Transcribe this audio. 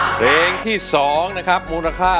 เพลงที่๒นะครับมูลค่า